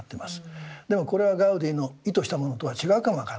でもこれはガウディの意図したものとは違うかも分からない。